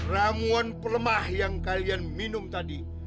ramuan pelemah yang kalian minum tadi